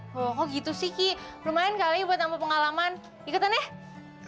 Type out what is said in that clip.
wow kok gitu sih ki lumayan kali buat nambah pengalaman ikutan ya